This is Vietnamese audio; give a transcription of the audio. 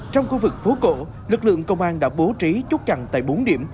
trong khu vực phố cổ lực lượng công an đã bố trí chốt chặn tại bốn điểm